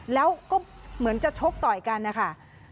แล้วก็เหมือนจะชกต่อยกันนะคะ